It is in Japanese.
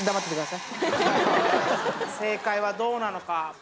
正解はどうなのか？